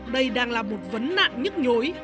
đây đang là một vấn nạn nhức nhối